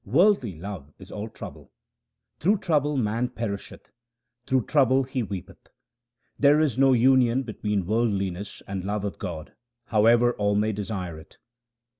Worldly love is all trouble ; through trouble man perish eth ; through trouble he weepeth. There is no union between worldliness and love of God, however all may desire it.